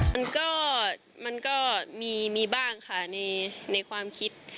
มันก็มีบ้างค่ะในความคิด